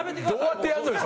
どうやってやるのよ